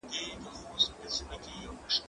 زه کولای سم کالي وچوم